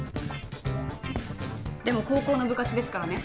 でも高校の部活ですからね。